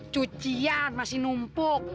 cucian masih numpuk